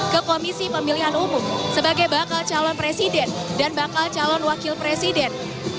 ke komisi pemilihan umum sebagai bakal calon presiden dan bakal calon wakil presiden